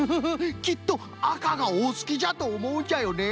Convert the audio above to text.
きっとあかがおすきじゃとおもうんじゃよね。